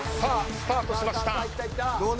スタートしました。